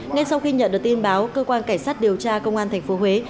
ngay sau khi nhận được tin báo cơ quan cảnh sát điều tra công an thành phố huế